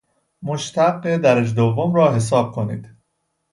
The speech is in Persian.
مشتق درجه دوم را حساب کنید